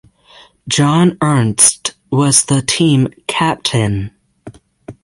John Ernst was the team captain.